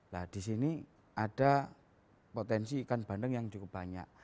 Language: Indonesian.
nah di sini ada potensi ikan bandeng yang cukup banyak